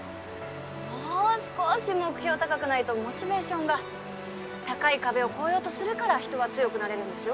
もう少し目標高くないとモチベーションが高い壁を越えようとするから人は強くなれるんですよ